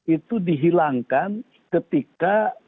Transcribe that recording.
itu dihilangkan ketika